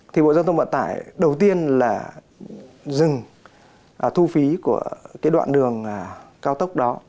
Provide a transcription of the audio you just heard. thì bộ giao thông vận tải đầu tiên là dừng thu phí của cái đoạn đường cao tốc đó